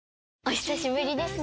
お久しぶりですね。